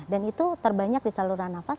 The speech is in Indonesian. itu terbanyak di saluran nafas